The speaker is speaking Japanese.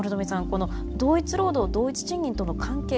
この同一労働同一賃金との関係